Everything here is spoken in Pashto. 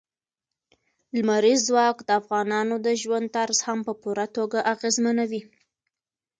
لمریز ځواک د افغانانو د ژوند طرز هم په پوره توګه اغېزمنوي.